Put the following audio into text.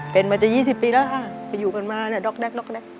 เป็นมาจะ๒๐ปีแล้วไปอยู่กันมาดอกแดก